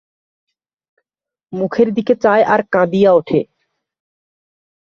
মুখের দিকে চায় আর কাঁদিয়া ওঠে।